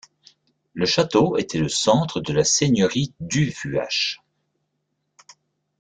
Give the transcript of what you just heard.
Le château était le centre de la seigneurie du Vuache.